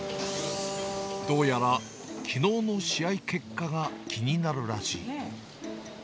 どうやらきのうの試合結果が気になるらしい。